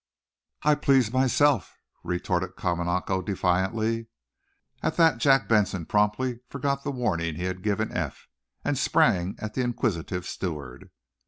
"I please myself," retorted Kamanako, defiantly. At that Jack Benson promptly forgot the warning he had given Eph, and sprang at the inquisitive steward.